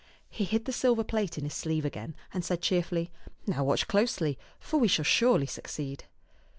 He hid the silver plate in his sleeve again and said cheerfully, " Now watch closely, for we shall surely succeed."